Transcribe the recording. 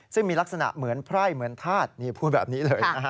ซึ่งมีลักษณะเหมือนไพร่เหมือนธาตุนี่พูดแบบนี้เลยนะฮะ